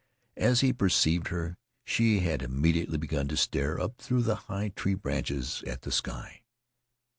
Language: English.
As he perceived her, she had immediately begun to stare up through the high tree branches at the sky.